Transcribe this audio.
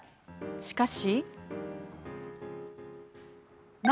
しかし。